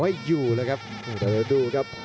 พยายามจะไถ่หน้านี่ครับการต้องเตือนเลยครับ